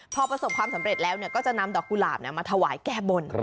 พอประสบความสำเร็จแล้วก็จะนำดอกกุหลาบมาถวายแก้บน